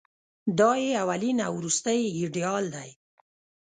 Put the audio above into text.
دای یې اولین او وروستۍ ایډیال دی.